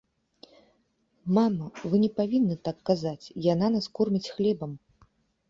Мама, вы не павінны так казаць, яна нас корміць хлебам.